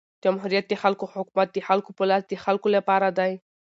جمهوریت د خلکو حکومت د خلکو په لاس د خلکو له پاره دئ.